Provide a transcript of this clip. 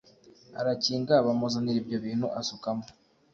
arakinga bamuzanira ibyo bintu asukamo